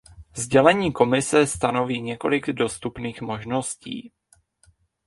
Sdělení Komise stanoví několik dostupných možností.